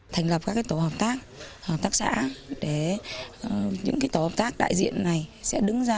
thành lập các tổ hợp tác hợp tác xã để những tổ hợp tác đại diện này sẽ đứng ra